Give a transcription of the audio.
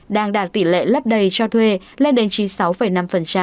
đang đạt tỷ lệ lấp đầy cho thuê lên đến chín mươi sáu năm